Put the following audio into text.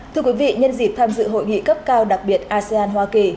thưa quý vị nhân dịp tham dự hội nghị cấp cao đặc biệt asean hoa kỳ